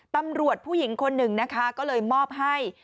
ตำรวจผู้หญิงคนหนึ่งนะคะก็เลยมอบให้